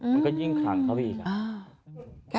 มันก็ยิ่งขลังเข้าไปอีกอ่ะ